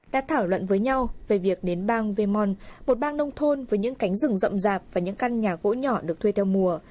đã thảo luận với nhau về việc đến bang vemon một bang nông thôn với những cánh rừng rậm rạp và những căn nhà gỗ nhỏ được thuê theo mùa